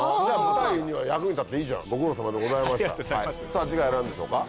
さぁ次回は何でしょうか？